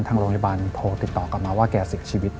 ทางโรงพยาบาลโทรติดต่อกลับมาว่าแกเสียชีวิต